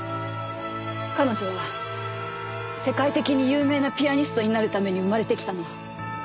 彼女は世界的に有名なピアニストになるために生まれてきたの。